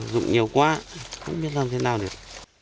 rụng nhiều quá không biết làm thế nào được